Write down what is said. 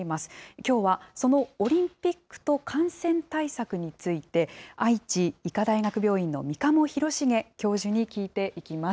きょうはそのオリンピックと感染対策について、愛知医科大学病院の三鴨廣繁教授に聞いていきます。